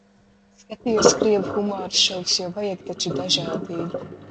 Skatījos krievu humora šovus, jo vajag taču dažādību.